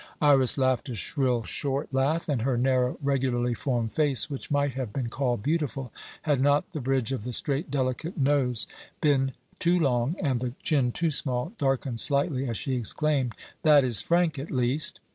Iras laughed a shrill, short laugh, and her narrow, regularly formed face, which might have been called beautiful, had not the bridge of the straight delicate nose been too long and the chin too small, darkened slightly, as she exclaimed, "That is frank at least."